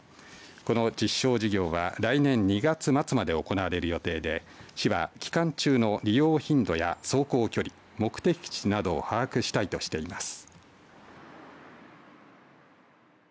この実証事業は来年２月末まで行われる予定で市は期間中の利用頻度や走行距離、目的地などを把握したいとしています。